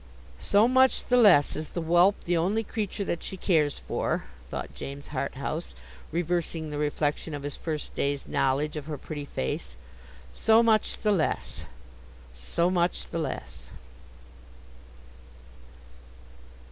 'So much the less is the whelp the only creature that she cares for,' thought James Harthouse, reversing the reflection of his first day's knowledge of her pretty face. 'So much the less, so much the less.